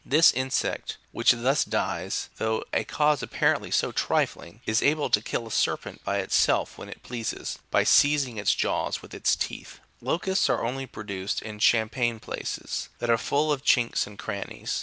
This insect, which thus dies through a cause apparently so trifling, is able to kill a serpent by itself, when it pleases, by seizing its jaws with its teeth.29 Locusts are only produced in champaign places, that are full of chinks and crannies.